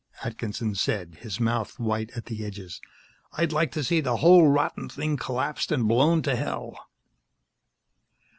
Atkinson said, his mouth white at the edges. "I'd like to see the whole rotten thing collapsed and blown to hell!"